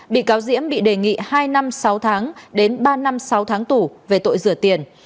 bị cáo diễm bị đề nghị hai năm sáu tháng đến ba năm sáu tháng tù về tội rửa tiền